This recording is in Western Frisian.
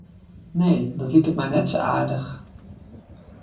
Nee, dat liket my net sa aardich.